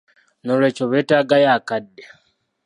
Noolwekyo byetaagayo akadde.